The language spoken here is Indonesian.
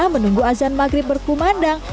menunggu azan maghrib berkumandang